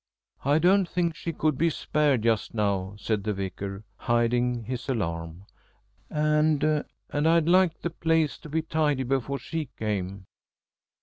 "I don't think she could be spared just now," said the Vicar, hiding his alarm, "and and I'd like the place to be tidy before she came."